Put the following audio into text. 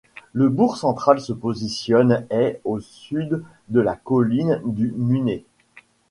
Le bourg central se positionne est au sud de la colline du Menuet.